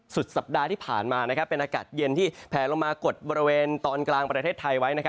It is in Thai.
สุดสัปดาห์ที่ผ่านมาเป็นอากาศเย็นที่แผลลงมากดบริเวณตอนกลางประเทศไทยไว้